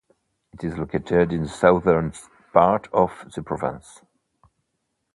It is located in the southern part of the province.